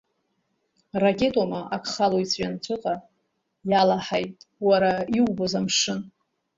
Ракетома ак халоит ҵәҩанҵәыҟа, иалаҳаит уара иубоз амшын.